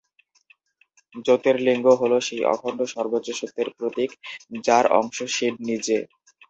জ্যোতির্লিঙ্গ হল সেই অখণ্ড সর্বোচ্চ সত্যের প্রতীক, যার অংশ শিব নিজে।